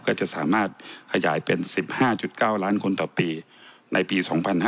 ก็จะสามารถขยายเป็น๑๕๙ล้านคนต่อปีในปี๒๕๕๙